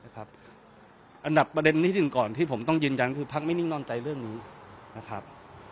อันดับประเด็นนิดหนึ่งก่อนที่ผมต้องยืนยันคือพักไม่นิ่งนอนใจเรื่องนี้นะครับ